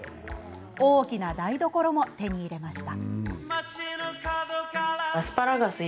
大きな台所も手に入れました。